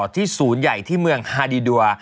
ที่ศูนย์ใหญ่ที่เมืองฮาดีดัว